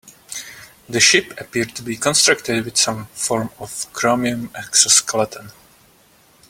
The ship appeared to be constructed with some form of chromium exoskeleton.